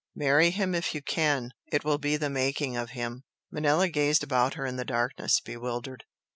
Marry him if you can! it will be the making of him!" Manella gazed about her in the darkness, bewildered.